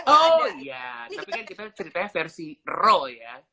oh iya tapi kan kita ceritanya versi roll ya